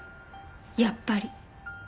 やっぱり。